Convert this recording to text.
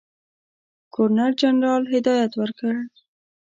ګورنرجنرال هدایت ورکړ.